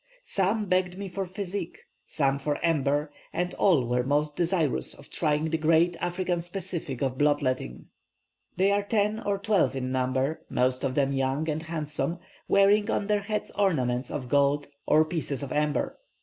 Some begged me for physic, some for amber, and all were most desirous of trying the great African specific of blood letting. They are ten or twelve in number, most of them young and handsome, wearing on their heads ornaments of gold or pieces of amber.